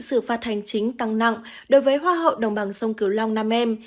xử phạt hành chính tăng nặng đối với hoa hậu đồng bằng sông cửu long nam em